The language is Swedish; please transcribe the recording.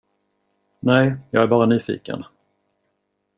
Nej, jag är bara nyfiken.